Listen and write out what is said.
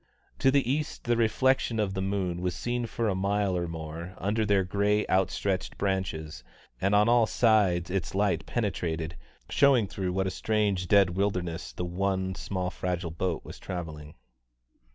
To the east the reflection of the moon was seen for a mile or more under their grey outstretched branches, and on all sides its light penetrated, showing through what a strange dead wilderness the one small fragile boat was travelling.